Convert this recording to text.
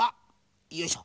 よいしょ。